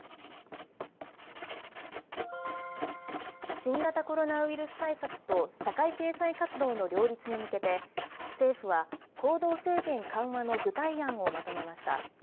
新型コロナウイルス対策と社会経済活動の両立に向けて、政府は行動制限緩和の具体案をまとめました。